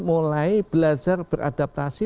mulai belajar beradaptasi